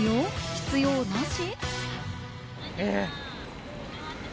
必要なし？